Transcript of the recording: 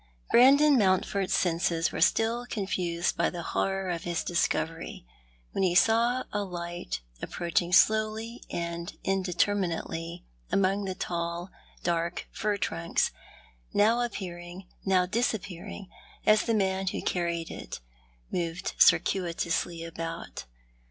" Brandon Mountford's senses were still confused by the horror of his discovery when he saw a light approaching slowly and indeterminately among the tall, dark fir trunks, now appearing, now disappearing, as the man who carried it moved circuitously about.